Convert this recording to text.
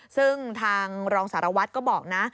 ซึ่งทางรองสารวัตรก็บอกนะ